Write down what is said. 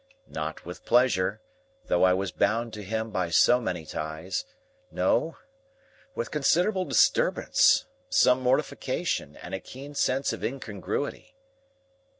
Not with pleasure, though I was bound to him by so many ties; no; with considerable disturbance, some mortification, and a keen sense of incongruity.